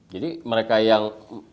jadi mereka yang